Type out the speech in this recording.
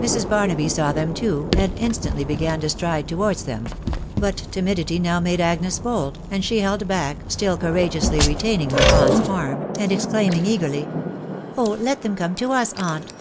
Mrs. Barnaby saw them too, and instantly began to stride towards them ; but timidity now made Agnes bold, and she held back, still courageously retaining her aunt's arm, and ex claiming eagerly,*— u Oh, let them come to us, aunt!"